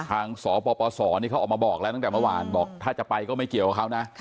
สปสนี่เขาออกมาบอกแล้วตั้งแต่เมื่อวานบอกถ้าจะไปก็ไม่เกี่ยวกับเขานะ